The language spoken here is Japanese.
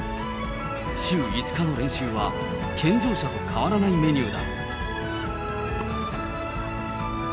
週５日の練習は健常者と変わらないメニューだ。